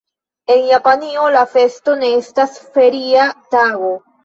En Japanio la festo ne estas feria tago.